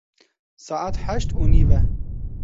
Saet heşt û nîv e.